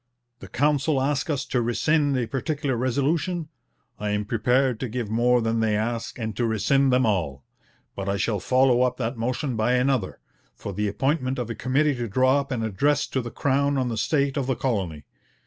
... The Council ask us to rescind a particular resolution; I am prepared to give more than they ask and to rescind them all. ... But I shall follow up that motion by another, for the appointment of a committee to draw up an address to the Crown on the state of the Colony.